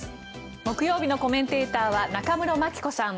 木曜日のコメンテーターは中室牧子さん